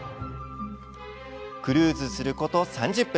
クルーズすること３０分。